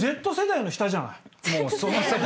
Ｚ世代の下じゃない？